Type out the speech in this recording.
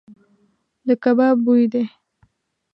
د کباب بوی دی .